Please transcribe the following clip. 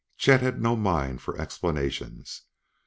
Chet had no mind for explanations.